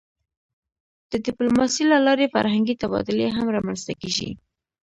د ډیپلوماسی له لارې فرهنګي تبادلې هم رامنځته کېږي.